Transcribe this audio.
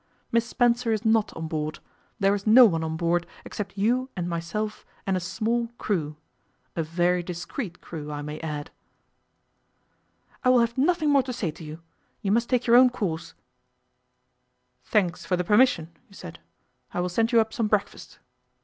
'Miss Spencer is not on board. There is no one on board except you and myself and a small crew a very discreet crew, I may add.' 'I will have nothing more to say to you. You must take your own course.' 'Thanks for the permission,' he said. 'I will send you up some breakfast.